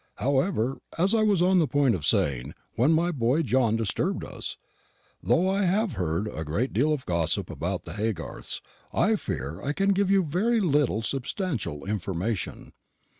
However, as I was on the point of saying when my boy John disturbed us, though I have heard a great deal of gossip about the Haygarths, I fear I can give you very little substantial information.